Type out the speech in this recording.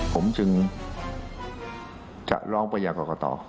ผมจึงจะร้องไปอย่างก่อต่อ